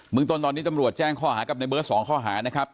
เมืองต้นตอนนี้ตำรวจแจ้งข้อหากับในเบิร์ต๒ข้อหานะครับ